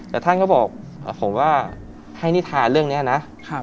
แต่ท่านก็บอกผมว่าให้นิทาเรื่องนี้นะ